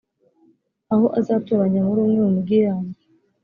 aho azatoranya muri umwe mu migi yanyu,